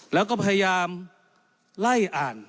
แล้วก็พยายามไล่อ่าน